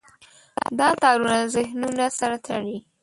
دا تارونه ذهنونه سره تړي.